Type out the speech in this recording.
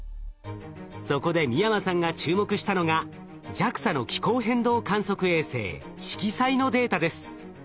そこで美山さんが注目したのがＪＡＸＡの気候変動観測衛星しきさいのデータです。